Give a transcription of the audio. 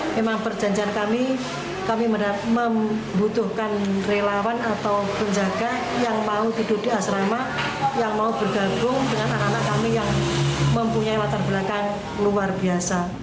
memang perjanjian kami kami membutuhkan relawan atau penjaga yang mau tidur di asrama yang mau bergabung dengan anak anak kami yang mempunyai latar belakang luar biasa